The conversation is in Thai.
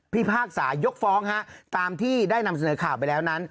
พากษายกฟ้องฮะตามที่ได้นำเสนอข่าวไปแล้วนั้น